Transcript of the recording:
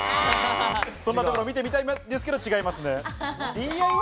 そんなところ見てみたいけど違いますね。